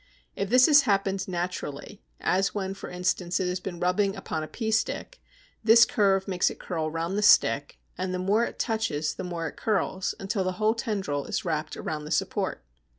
If this has happened naturally, as when for instance it has been rubbing upon a pea stick, this curve makes it curl round the stick, and the more it touches the more it curls, until the whole tendril is wrapped round the support.